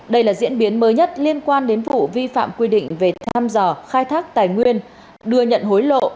đây là diễn biến mới nhất liên quan đến vụ vi phạm quy định về tham dò khai thác tài nguyên đưa nhận hối lộ